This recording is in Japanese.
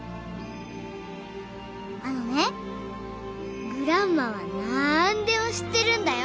あのねグランマはなんでも知ってるんだよ。